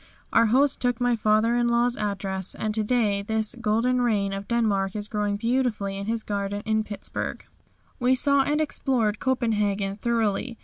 Our host took my father in law's address, and to day this "Golden Rain" of Denmark is growing beautifully in his garden in Pittsburg. We saw and explored Copenhagen thoroughly.